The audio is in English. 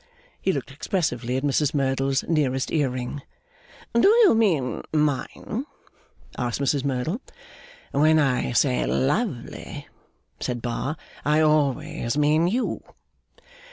He looked expressively at Mrs Merdle's nearest ear ring. 'Do you mean mine?' asked Mrs Merdle. 'When I say lovely,' said Bar, 'I always mean you.